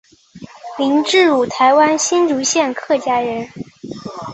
林志儒台湾新竹县客家人。